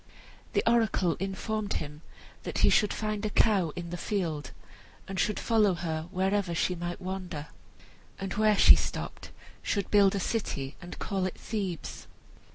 The oracle informed him that he should find a cow in the field, and should follow her wherever she might wander, and where she stopped, should build a city and call it Thebes.